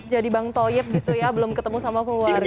jadi bang toyip gitu ya belum ketemu sama keluarga